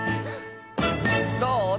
どう？